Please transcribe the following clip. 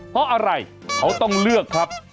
เพราะอะไรเขาต้องเลือกครับ